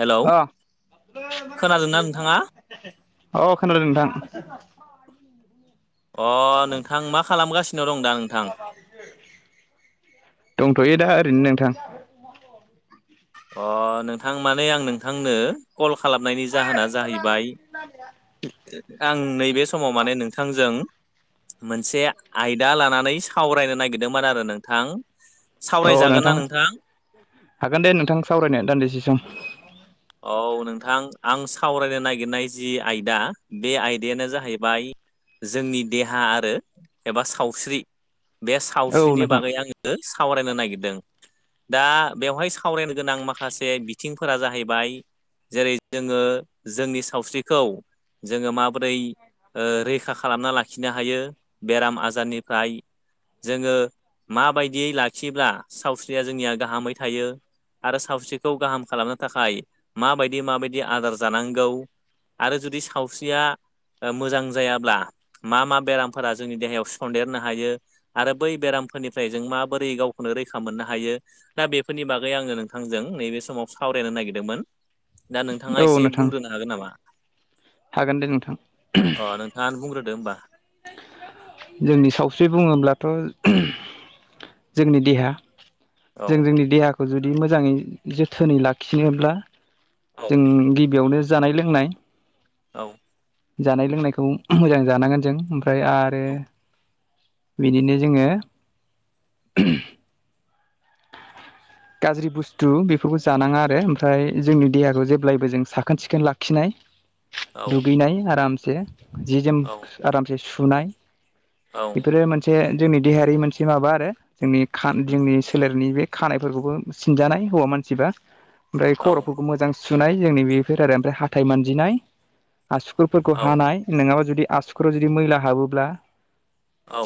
Hello अ खोनादोंना नोंथाङा औ खोनादों नोंथां अ नोंथां मा खालामगासिनो दं दा नोंथां दंथ'यो दा ओरैनो नोंथां अ नोंथां माने आं नोंथांनो कल खालामनायनि जाहोना जाहैबाय आं नैबे समाव माने नों थांजों मोनसे आयदा लानानै सावरायनो नागिरदोंमोन आरो नोंथां। औ सावरायजागोन नोंथां ना हागोन दे नोंथां सावरायनो दान्दिसे सम। औ नोंथां आं सावरायनो नागिरनाय जि आयदा बे आयदायानो जाहैबाय। जोंनि देहा आरो एबा सावस्रि बे औ सावस्रिनि नोंथां बागै आङो। सावरायनो नागिरदों दा बेवहाय सावरायनो गोनां माखासे बिथिंफोरा जाहै बाय जेरै जोङो जोंनि सावस्रिखौ जोङो माबोरै ओ रैखा खालामना लाखिनो हायो बेराम आजारनिफ्राय जोङो माबायदियै लाखियोब्ला सावस्रिया जोंनिया गाहामै थायो आरो सावस्रिखौ गाहाम खालामनो थाखाय माबायदि माबायदि आदार जानांगौ आरो जुदि सावस्रिया ओ मोजां जायाब्ला मा मा बेरामफोरा जोंनि देहायाव सनदेरनो हायो आरो बै बेरामफोरनिफ्राय जों माबोरै गावखौनो रैखा मोननो हायो दा बेफोरनि बागै आङो नोंथांजों नैबे समाव सावरायनो नागिरदोंमोन। दा नोंथाङा औ एसे नोंथां बुंग्रोनो हागोन नामा हागोन दे नोंथां अ नों थाङानो बुंग्रोदो ओमबा जोंनि सावस्रि बुङोब्लाथ' जोंनि देहा औ जों जोंनि देहाखौ जुदि मोजाङै जोथोनै लाखिनोब्ला औ जों गिबियावनो जानाय लोंनाय औ जानाय लोंनायखौ मोजां जानांगोन जों ओमफ्राय आरो बिदिनो जोङो [inaudible] गाज्रि बुस्थु बेफोरखौ जानाङा आरो ओमफ्राय जोंनि देहाखौ जेब्लायबो जों साखोन सिखोन लाखिनाय औ दुगैनाय आरामसे जि जोम आरामसे सुनाय। औ बेफोरो मोनसे जोंनि देहायारि मोनसे माबा आरो जोंनि खान जोंनि सोलेरनि बे खानायफोरखौबो सिनजानाय हौवा मानसिबा ओमफ्राय औ खर'फोरखौ मोजां सुनाय जोंनि बेफोर आरो ओमफ्राय हाथाइ मानजिनाय आसुगुरफोरखौ औ हानाय नङाबा जुदि आसुगुराव जुदि मैला हाबोब्ला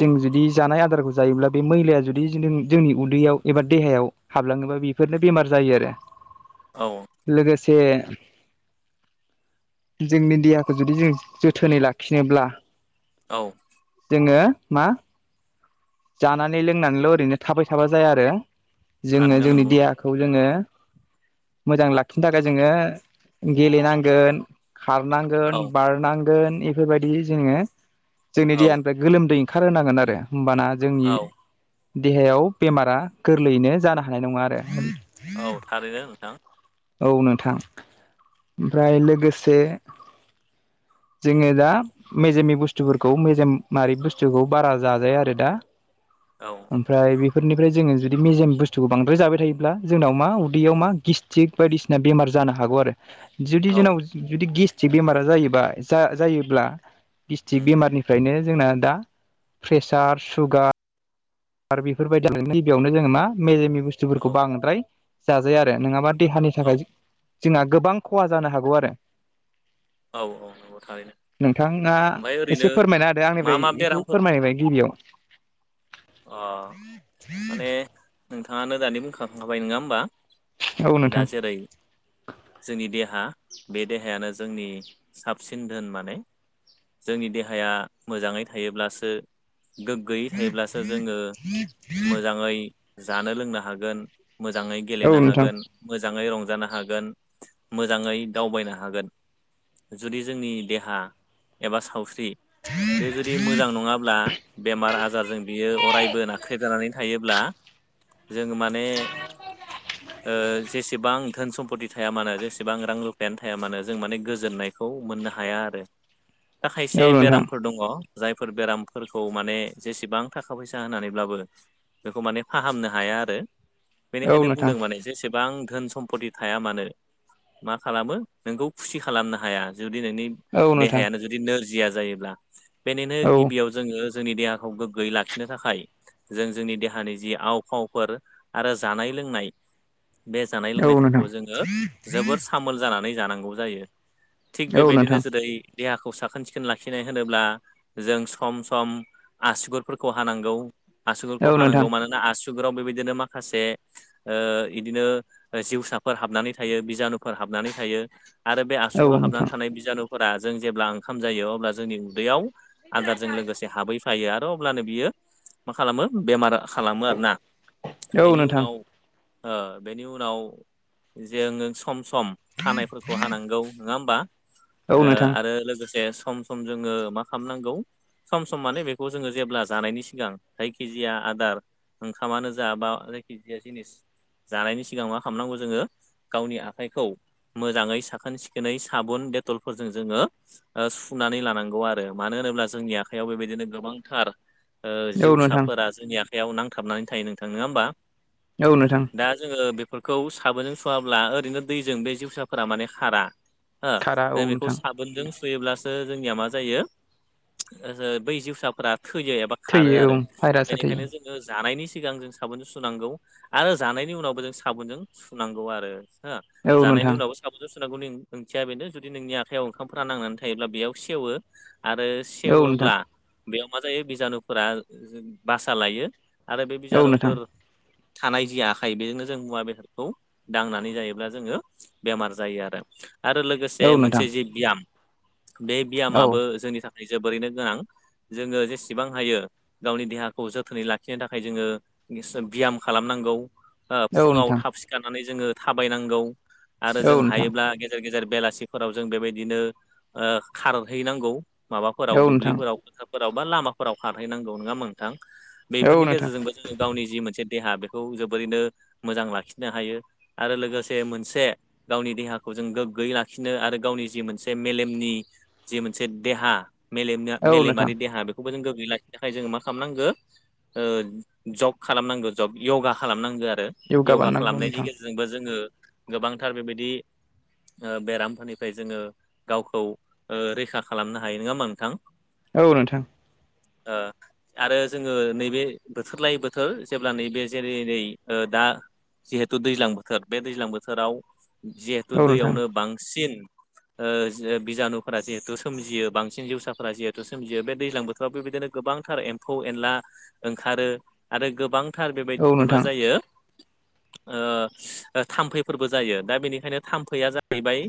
जों जुदि जानाय आदारखौ जायोब्ला बे मैलाया जुदि नों जोंनि उदैयाव एबा देहायाव हाबलाङोबा बेफोरनो बेमार जायो आरो। औ। लोगोसे जोंनि देहाखौ जुदि जों जोथोनै लाखिनोब्ला औ। जोङो मा जानानै लोंनानैल' ओरैनो थाबाय थाबा जाया आरो जोङो थारैनो जोंनि नंगौ देहाखौ जोङो मोजां लाखिनो थाखाय जोङो गेलेनांगोन। खारनांगोन औ बारनांगोन बेफोरबायदि जोङो जोंनि औ देहानिफ्राय गोलोमदै ओंखार होनांगोन आरो होमबाना जोंनि औ देहायाव बेमारा गोरलैयैनो जानो हानाय नङा आरो। औ थारैनो नोंथां। औ नोंथां ओमफ्राय लोगोसे जोङो दा मेजेमनि बुस्थुफोरखौ मेजेमारि बुस्थुखौ बारा जाजाया आरो दा। औ। ओमफ्राय बेफोरनिफ्राय जोङो जुदि मेजेम बुस्थुखौ बांद्राय जाबाय थायोब्ला जोंनाव मा उदैयाव मा गिस्त थिग बायदिसिना बेमार जानो हागौ आरो जुदि औ जोंनाव जुदि गेस्ट्रिक बेमारा जायोबा जा-जायोब्ला उम गिस्टक उम बेमारनिफ्रायनो जोंना दा प्रेसार सुगार बेफोरबायदि गिबियावनो जोङो मा मेजेमि बुस्थुफोरखौ औ बांद्राय जाजाया आरो नङाबा देहानि औ थाखाय जोंहा गोबां खहा जानो हागौ आरो। औ औ नंगौ थारैनो। नोंथाङा ओमफ्राय ओरैनो एसे फोरमायना होदो मा आंनिफ्राय मा बेखौ बेरामफोर फोरमायबाय गिबियाव। अ माने नोंथाङानो दानि बुंखांखाबाय नङा होमबा? औ नोंथां दा जेरै जोंनि देहा बे देहायानो जोंनि साबसिन धोन माने जोंनि देहाया मोजाङै थायोब्लासो गोग्गोयै थायोब्लासो जोङो मोजाङै जानो लोंनो हागोन। मोजाङै औ गेलेनो नोंथां हागोन मोजाङै रंजानो हागोन। मोजाङै दावबायनो हागोन जुदि जोंनि देहा एबा सावस्रि बे जुदि मोजां नङाब्ला बेमार आजारजों बियो अरायबो नाख्रेजानानै थायोब्ला जोङो माने ओ जेसेबां धोन सम्पति थाया मानो जेसेबां रां रुफायानो थाया मानो जों माने गोजोननायखौ मोननो हाया आरो। दा औ खायसे नोंथां बेरामफोर दङ जायफोर बेरामफोरखौ माने जेसेबां थाखा फैसा होनानैब्लाबो बेखौ माने फाहामनो हाया आरो औ बेनिखायनो नोंथां बुंदों माने जेसेबां धोन सम्पति थाया मानो मा खालामो नोंखौ खुसि खालामनो हाया जुदि नोंनि औ नोंथां देहायानो जु जुदि नोरजिया जायोब्ला बेनिनो औ गिबियाव जोङो जोंनि देहाखौ गोग्गोयै लाखिनो थाखाय जों जोंनि देहानि जि आव फावफोर आरो जानाय लोंनाय बे जानाय औ नोंथां लोंनायफोरखौ जोङो जोबोर सामोल जानानै जानांगौ जायो। थिग औ बेबायदिनो नोंथां जेरै देहाखौ साखोन सिखोन लाखिनाय होनोब्ला जों सम सम आसुगुरफोरखौ हानांगौ आसुगुरखौ औ नोंथां हानांगौ मानो ना आसुगुराव बेबायदिनो माखासे ओ इदिनो जिउसाफोर हाबनानै थायो बिजानुफोर हाबनानै थायो आरो बे औ आसुुराव हाबनानै नोंथां थानाय बिजानु फोरा जों जेब्ला ओंखाम जायो अब्ला जोंनि उदैयाव आदारजों लोगोसे हाबै फायो आरो अब्लानो बियो मा खालामो बेमार खालामो आरोना औ बेनि नोंथां उनाव ओ बेनि उनाव जोङो सम सम हानायफोरखौ हानांगौ नङा होमबा? ओ औ नोंथां आरो लोगोसे सम सम जोङो मा खालामनांगौ सम सम माने बेखौ जोङो जेब्ला जानायनि सिगां जायखिजाया आदार ओंखामानो जा बा जायखिजाया जिनिस जानायनि सिगां मा खालामनांगौ जोङो गावनि आखाइखौ मोजाङै साखोन सिखोनै साबुन देटलफोरजों जोङो ओ सुनानै लानांगौ आरो मानो होनोब्ला जोंनि आखायाव बेबायदिनो गोबांथार ओ औ नोंथां जिउसाफोरा जोंनि आखाइयाव नांथाबनानै थायो नोंथांङा होमबा? औ नोंथां। दा जोङो बेफोरखौ साबोनजों सुवाल्बा ओरैनो दैजों बे जिउसाफोरा माने खारा हो खारा औ जों बेखौ नोंथां सा बोनजों सुयोब्लासो जोंनिया मा जायो ओ बै जिउसाफोरा थैयो एबा खारो थैयो आरो औ भाइरासाआ बेनिखायनो थैयो। जोङो जानायनि सिगां जों साबोनजों सुनांगौ आरो जानायनि उनावबो जों साबोनजों सुनां गौ आरो हा औ जानायनि नोंथां उनाव साबोनजों सुनांगौ ओंथिया बेनो जुदि नोंनि आखाइयाव ओंखामफोरा नांनानै थायोब्ला बेयाव सेवो आरो औ नोंथां सेवोब्ला बेयाव मा जायो बिजानुफोरा बासा लायो आरो बे औ नोंथां बिजानुफोर थानाय जि आखाइ बेजोंनो जों मुवा बेसादखौ दांनानै जायोब्ला जोङो बेमार जायो आरो आरो लोगोसे औ नोंथां मोनसे जि बियाम बे औ बियामाबो जोंनि थाखाय जोबोरैनो गोनां जोङो जेसेबां हायो गावनि देहाखौ जोथोनै लाखिनो थाखाय जोङो [unintelligible] ब्याम खालामनांगौ ओ औ फुङाव नोंथां थाब सिखारनानै जोङो थाबायनांगौ आरो औ नोंथां औ जों नोंथां हायोब्ला गेजे गेजेर गेजेर बेलासिफोराव जों बेबायदिनो खारहैनांगौ माबाफोराव औ दुब्लिफोराव फोथारफोराव बा लामाफोराव खारहैनांगौ नङा होमबा नोंथां बेफोरनि नोंथां गेजेरजोंबो जोङो गावनि जि मोनसे देहा बेखौ जोबोरैनो मोजां लाखि नो हायो आरो लोगोसे मोनसे गावनि देहाखौ जों गोग्गोयै लाखिनो आरो गावनि जि मोनसे मेलेमनि जि मोनसे देहा [unintelligible] औ नोंथां मेलेमारि देहा बेखौबो जों गोग्गोयै लाखिनो थाखाय जोङो मा खालामनांगौ ओ जग खालामनांगौ जग यगा खालामनांगौ आरो यगा बानायनांगौ नोंथां जोंबो जोङो गोबांथार बेबायदि ओ बेरामफोरनिफ्राय जोङो गावखौ ओ रैखा खालामनो हायो नङा होमबा नोंथां औ नोंथां ओ आरो जोङो नैबे बोथोर लायै बोथोर जेब्ला नैबे जेरै नै ओ दा जिहेथु दैज्लां बोथोर बे दैज्लां बोथोराव जिहेथु औ नोंथां दैयावनो बांसिन ओ जो बिजानुफोरा जिहेथु सोमजियो बांसिन जिउवसाफोरा जिहेतु सोमजियो बे दैज्लां बोथोराव बेबायदिनो गोबांथार एम फौ एनला ओंखारो आरो गोबांथार औ बेबायदिनो मा नोंथां जायो ओ ओ थाम्फैफोरबो जायो दा बेनिखायनो थाम्फैया जाहैबाय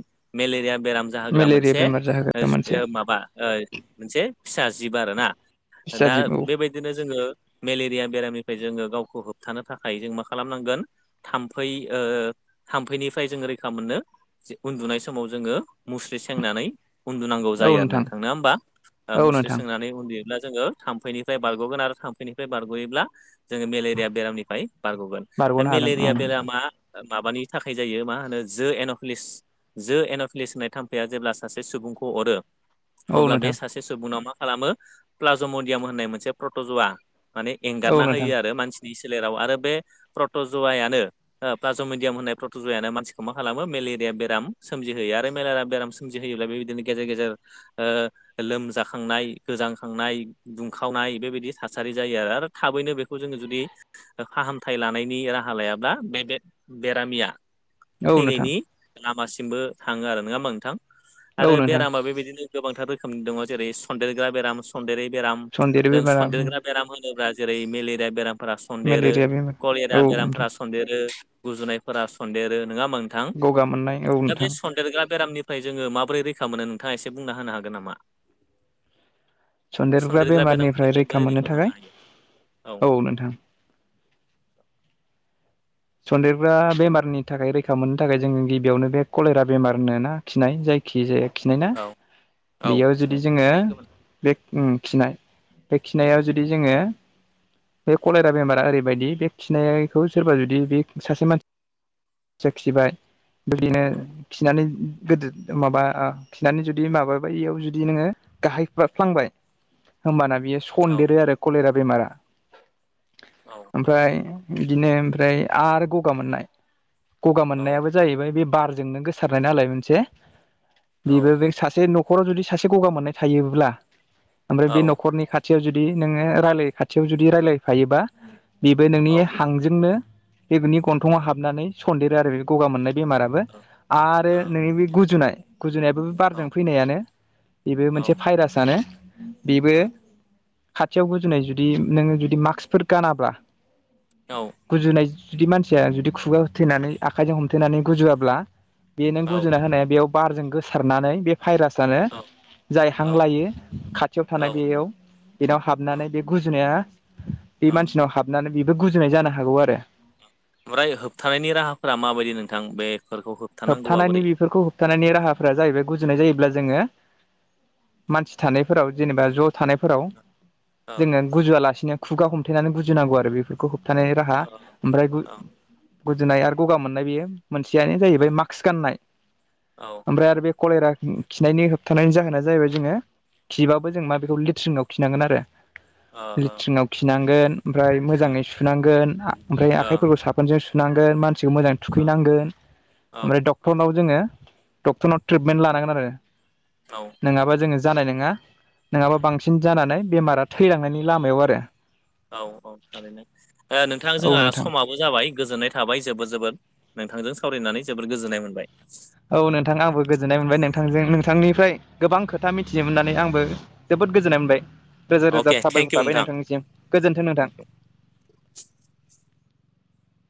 मेलेरिया बेराम जाहोग्रा मेलेरिया मोनसे बेमार ओ जाहोग्रा मोनसे [unintelligible] माबा ओ मोनसे फिसा जिब आरो ना फिसा दा जिबौ बेबाय दिनो जोङो मेलेरिया बेरामनिफ्राय जोङो गावखौ होबथानो थाखाय जों मा खालामनांगोन थाम्फै ओ थाम्फैनिफ्राय जोङो रैखा मोननो जे उन्दुनाय समाव जोङो मुस्रि सोंनानै उन्दुनांगौ जायो आरो नोंथां नङा होमबा ओ औ मुस्रि नोंथां सोंनानै उन्दुयो ब्ला जोङो थाम्फैनिफ्राय बारगगोन आरो थाम्फैनिफ्राय बारगयोब्ला जोङो मेलेरिया बेरामनिफ्राय बारगगोन दा बारग'नो हागोन औ मेलेरिया नोंथां मा माबानि थाखाय जायो मा होनो जो एन प्लिस जो एनप्लिस होननाय थाम्फैाया जेब्ला सासे सुबुंखौ अरो औ अब्ला बे नोंथां सासे सुबुंनाव मा खालामो प्लाज मडियाम होननाय मोनसे प्रटजवा माने औ एंगारना नोंथां होयो आरो मानसिनि सोलेराव आरो बे प्रटजुवायानो ओ प्लाज मिडियाम होननाय प्रटजवा यानो मानसिखौ मा खालामो मेलेरिया बेराम सोमजिहयो आरो मेलेरिया बेराम सोमजि होयोब्ला बेबायदिनो गेजेर गेजेर ओ लोमजाखांनाय गोजांखांनाय दुंखावनाय बेबायदि थासारि जायो आरो आरो थाबैनो बेखौ जोङो जुदि ओ फाहामथाय लानायनि राहा लायाब्ला बैबे बेरामिया औ नोंथां थैनायनि लामासिमबो थाङो आरो नङा होमबा नोंथां आरो औ नोंथां बेरामा बेबायदिनो गोबांथार रोखोमनि दङ जेरै सदेरग्रा बेराम सन्देरै बेराम सनदेरो जों बेमारा सन्देरग्रा बेराम होनोब्ला जेरै मेलेरिया बेराम फोरा सन्देरो मेलेरिया बेमार कलेरा औ नोंथां बेरामफोरा सन्देरो गुजुनायफोरा सन्देरो नङा होमबा नोंथां गगा मोननाय औ दा नोंथां बे सन्देरग्रा बेरामनि फ्राय जोङो माबोरै रैखा मोनो नोंथाङा एसे बुंना होनो हागोन नामा सन्देरग्रा बेमारनिफ्राय रैखा मोननो थाखाय औ नोंथां। सन्देरग्रा बेमारनि थाखाय रैखा मोननो थाखाय जोङो गिबियावनो बे कलेरा बेमार होनोना खिनाय जाय खि जाया खिनाय ना औ औ बेयाव जुदि सिनाय जोङो सिनाय गोमोन बे खिनाय बे खिनायाव जुदि जोङो बे कलरा बेमारा ओरैबायदि बे खिनायखौ सोरबा जुदि बे सासे मानसि खिबाय बिदिनो खिनानै गोदो माबा खिनानै जुदि माबाबाय बेयाव जुदि नोङो गाहायफ्लांबाय होमबाना बियो औ फनदेरो आरो कलेरा बेमारा औ। ओमफ्राय बिदिनो ओमफ्राय आरो गगा मोननाय गगा औ मोननायाबो बेबो जाहैबाय बारजोंनो गोसारनाय नालाय औ मोनसे सासे न'खराव जुदि सासे गगा मोननाय थायोब्ला ओमफ्राय औ बे न'खरनि खाथि खाथियाव जुदि नोङो रायलाय खाथियाव जुदि रायलायफायोबा बेबो औ नोंनि हांजोंनो बेनि गन्थंङाव हाबनानै सन्देरो आरो बे गगा मोननाय बेमाराबो आरो नोंनि बे गुजुनाय गुजुनायाबो बारजों फैनायानो बेबो औ मोनसे भाइरासानो बेबो खाथियाव गुजुनाय जुदि नोङो जुदि मास्कफोर गानाब्ला औ। गुजुनाय जुदि मानसिया जुदि खुगा होथेनानै आखाइजों हमथेनानै गुजुयाब्ला बेनो गुजुना होनाया बेयाव बारजों गोसारनानै बे भाइरासानो जाय हां औ लायो खाथियाव थानाय औ बेयाव बेनाव हाबनानै बे गुजुनाया बे औ मानसिनाव हाबनानै बेबो गुजुनाय जानो हागौ आरो। ओमफ्राय होबथानायनि राहाफोरा माबायदि नोंथां बेफोरखौ होब होबथानायनि बेफोरखौ होबथानायनि राहाफोरा जाहैबाय गुजुनाय जायोब्ला जोङो मानसि थानायफोराव जेनेबा ज' थानायफोराव औ जोङो गुजुवालासिनो खुगा हमथेनानै गुजुुनांगौ आरो बेफोरखौ थानायनि राहा औ ओमफ्राय गुजुनाय आरो गगा मोननाय बेयो मोनसेयानो जायो बे मास्क गाननाय औ। ओमफ्राय आरो बे कलेरा खिनायनि होबथानायनि जाहोना जाहैबाय जोङो खिबाबो जों मा बेखौ लेट्रिनाव खिनांगोन आरो औ लेट्रिनाव खिनांगोन ओमफ्राय औ मोजाङै सुनांगोन ओमफ्राय औ आखाइफोरखौ साफ साबोनजों सुनांगोन मानसिखौ मोजांङो औ थुखैनांगोन औ ओमफ्राय डक्टरनाव जोङो डक्टरनाव ट्रिटमेन्ट लानांगोन आरो नङाबा जोङो जानाय नङा नङाबा बांसिन जानानै बेमारा थैलांनायनि लामायाव आरो। औ -औ थारैनो नोंथां औ जोंहा नोंथां समा बो' जाबाय गोजोन्नाय थाबाय जोबोद जोबोद नोंथांजों सावरायनानै जोबोद गोजोननाय मोनबाय। औ नोंथां आंबो गोजोननाय मोनबाय नोंथांजों नोंथांनिफ्राय गोबां खोथा मिथिनो मोननानै आंबो जोबोद गोजोननाय मोनबाय रोजा रोजा अके थेंक साबायखर इउ थाबाय नोंथां। नोंथांनिसिम गोजोन्थों नोंथां।